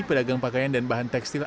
pedagang pakaian dan bahan tekstil